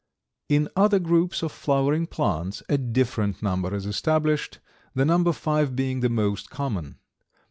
In other groups of flowering plants a different number is established, the number five being the most common.